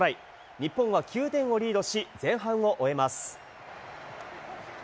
日本は９点をリードし、前半を終えます。